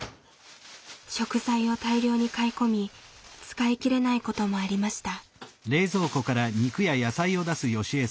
食材を大量に買い込み使い切れないこともありました。